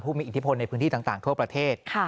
มีอิทธิพลในพื้นที่ต่างทั่วประเทศ